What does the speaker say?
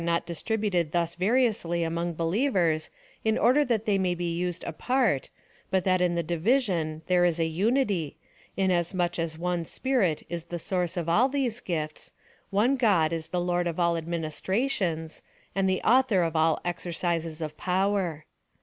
not distributed thus variously among believers, in order that they may be used apart, but that in the division there is a unity, inasmuch as one Spirit is the source of all those gifts, one God is the Lord of all administrations, and the author of all exercises of power.